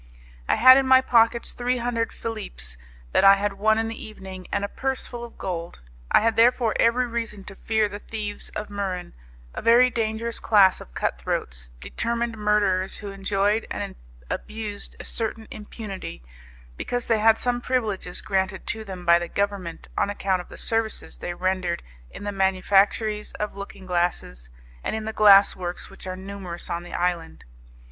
I had in my pockets three hundred philippes that I had won in the evening, and a purse full of gold. I had therefore every reason to fear the thieves of Muran a very dangerous class of cutthroats, determined murderers who enjoyed and abused a certain impunity, because they had some privileges granted to them by the Government on account of the services they rendered in the manufactories of looking glasses and in the glassworks which are numerous on the island.